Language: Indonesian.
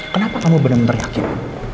kenapa kamu bener bener yakin